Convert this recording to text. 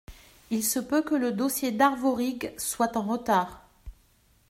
Il se peut que le dossier d’Arvorig soit en retard.